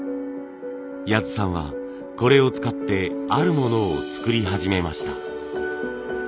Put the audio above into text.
谷津さんはこれを使ってあるものを作り始めました。